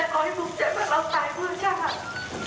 ที่ดิจานต่อเนี่ยได้ดูแลท่านได้ดูแลโบชันตลอดเวลา